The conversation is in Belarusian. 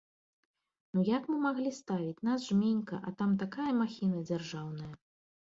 Ну як мы маглі ставіць, нас жменька, а там такая махіна дзяржаўная?!